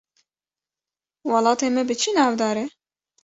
Welatê me bi çi navdar e?